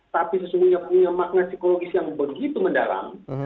tapi sesungguhnya punya makna psikologis yang begitu mendalam